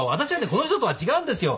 この人とは違うんですよ。